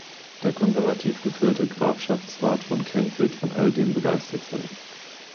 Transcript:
Der konservativ geführte Grafschaftsrat von Kent wird von alledem begeistert sein.